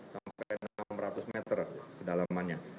sampai enam ratus meter kedalamannya